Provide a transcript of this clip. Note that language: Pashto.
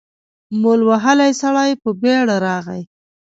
مول وهلی سړی په بېړه راغی.